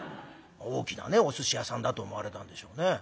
大きなねおすし屋さんだと思われたんでしょうね。